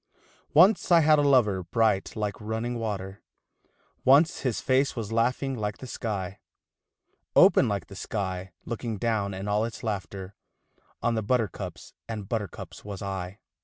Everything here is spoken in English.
Once I had a lover bright like running water, Once his face was laughing like the sky; Open like the sky looking down in all its laughter On the buttercups and buttercups was I.